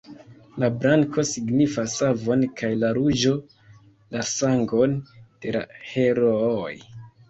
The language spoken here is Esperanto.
La blanko signifas savon kaj la ruĝo la sangon de la herooj.